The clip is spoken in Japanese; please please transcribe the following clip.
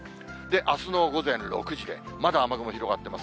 あすの午前６時で、まだ雨雲広がってます。